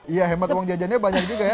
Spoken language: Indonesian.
iya hemat uang jajannya banyak juga ya